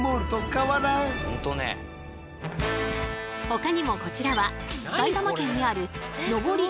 ほかにもこちらは埼玉県にある上り